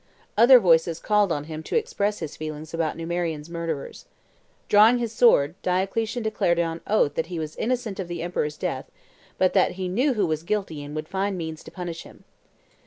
Other voices called on him to express his feelings about Numerian's murderers. Drawing his sword, Diocletian declared on oath that he was innocent of the emperor's death, but that he knew who was guilty and would find means to punish him.